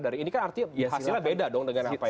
dari ini kan artinya hasilnya beda dong dengan apa ya